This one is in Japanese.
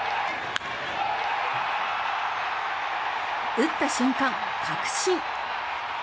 打った瞬間確信！